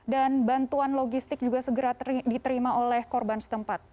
dan bantuan logistik juga segera diterima oleh korban setempat